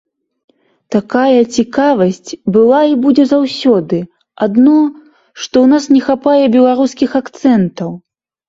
Такая цікавасць была і будзе заўсёды, адно, што ў нас не хапае беларускіх акцэнтаў.